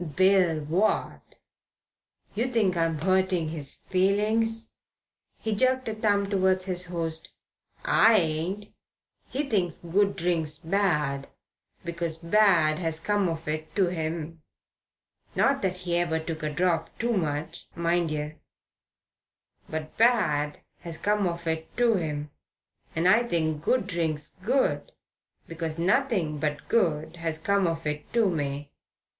"Bill what? You think I'm 'urting his feelings?" He jerked a thumb towards his host. "I ain't. He thinks good drink's bad because bad has come of it to him not that he ever took a drop too much, mind yer but bad has come of it to him, and I think good drink's good because nothing but good has come of it to me.